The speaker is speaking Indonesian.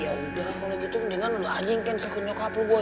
ya udah kalau gitu mendingan lu aja yang cancel ke nyokap lu boy